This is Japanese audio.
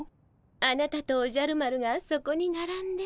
あなたとおじゃる丸がそこにならんで。